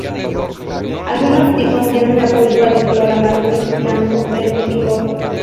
Algunos tipos tienen la pulpa de color amarillo, blanco, verde y rojo.